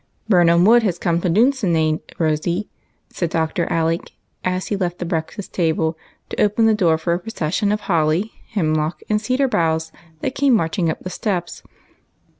228 EIGHT COUSINS. "Birnam Wood has come to Dimsinane, Rosy," said Dr. Alec, as he left the breakfast table to open the door for a procession of holly, hemlock, and cedar boughs that came marching up the steps.